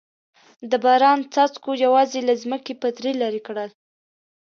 د باران څاڅکو یوازې له ځمکې پتري لرې کړل.